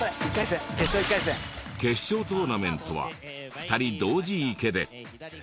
決勝トーナメントは２人同時生けで。